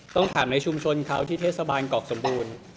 ต้องถามในชุมชนเขาที่เทศบาลกรอกสมบูรณ์